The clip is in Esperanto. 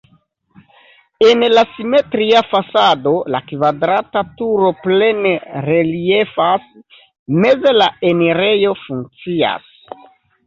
En la simetria fasado la kvadrata turo plene reliefas, meze la enirejo funkcias.